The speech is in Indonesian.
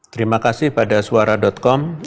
terima kasih pada suara com